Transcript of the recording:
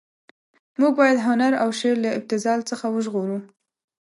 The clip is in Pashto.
موږ باید هنر او شعر له ابتذال څخه وژغورو.